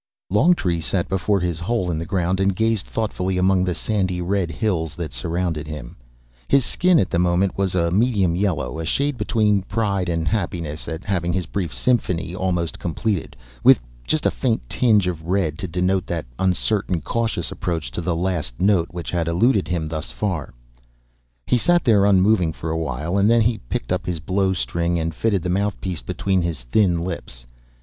Longtree sat before his hole in the ground and gazed thoughtfully among the sandy red hills that surrounded him. His skin at that moment was a medium yellow, a shade between pride and happiness at having his brief symphony almost completed, with just a faint tinge of red to denote that uncertain, cautious approach to the last note which had eluded him thus far. He sat there unmoving for a while, and then he picked up his blowstring and fitted the mouthpiece between his thin lips.